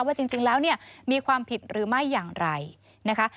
ว่าจริงแล้วเนี่ยมีความผิดหรือไม่อย่างไรนะคะ